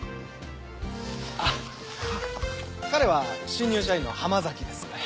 あっ彼は新入社員のハマザキです。